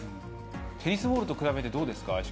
テニスボールと比べてどうですか。